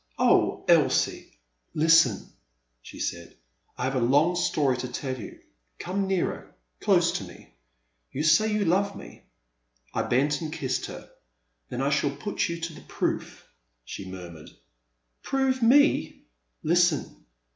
Oh Elsie !''Listen !'* she said, I have a long story to tell you ; come nearer, close to me. You say you love me? " I bent and kissed her. "Then I shall put you to the proof, she murmured. "Prove me I" " Listen.